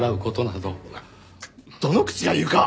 なっどの口が言うか！